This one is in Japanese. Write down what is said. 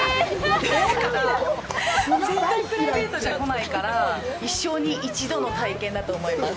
だから絶対プライベートじゃ来ないから一生に一度の体験だと思います。